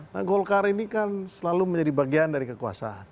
nah golkar ini kan selalu menjadi bagian dari kekuasaan